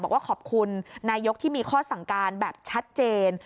บอกว่าขอบคุณนายกที่มีข้อสั่งการแบบชัดเจน